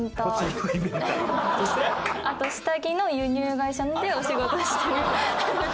あと「下着の輸入会社でお仕事してる」。